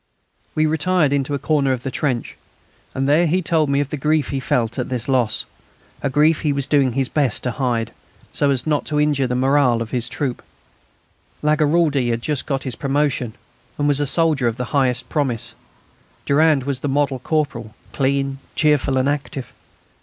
We retired into a corner of the trench, and there he told me of the grief he felt at this loss, a grief he was doing his best to hide, so as not to injure the moral of his troop. Lagaraldi had just got his promotion, and was a soldier of the highest promise; Durand was the model corporal, clean, cheerful, and active.